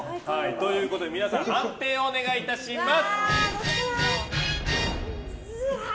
皆さん判定をお願いいたします。